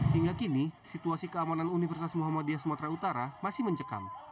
hingga kini situasi keamanan universitas muhammadiyah sumatera utara masih mencekam